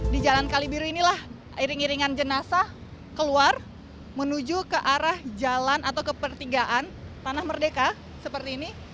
di jalan kalibiru inilah iring iringan jenazah keluar menuju ke arah jalan atau ke pertigaan tanah merdeka seperti ini